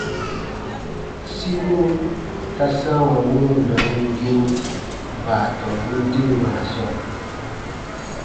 Sikuru ta sãawa wuro nanumgiru baatɔmbun deemaa sɔɔ.